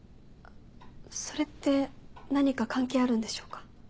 それって何か関係あるんでしょうか？